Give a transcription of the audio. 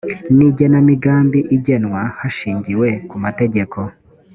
n igenamigambi igenwa hashingiwe ku mategeko